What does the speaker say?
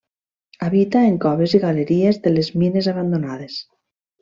Habita en coves i galeries de les mines abandonades.